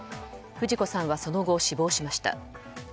富士子さんはその後、死亡しました。